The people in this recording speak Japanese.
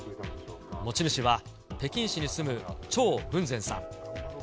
持ち主は、北京市に住む張文全さん。